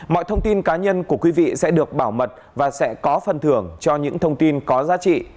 mọi thông tin cá nhân của quý vị sẽ được bảo mật và sẽ có phần thưởng cho những thông tin có giá trị